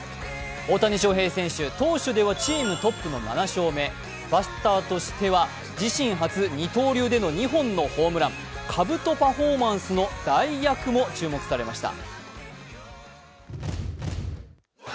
大谷翔平選手、投手ではチームトップの７勝目バッターとしては自身初二刀流での２本のホームランかぶとパフォーマンスの代役も注目されました。